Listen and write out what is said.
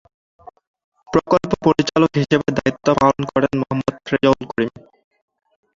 প্রকল্প পরিচালক হিসাবে দায়িত্ব পালন করেন মোহাম্মদ রেজাউল করিম।